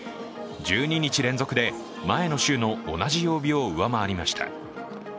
１２日連続で前の週の同じ曜日を上回りました。